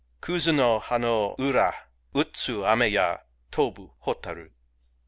Kuzu no ha no Ura, utsu ame ya, Tobu hotaru !